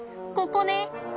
ここね！